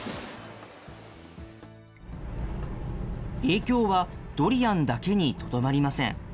影響はドリアンだけにとどまりません。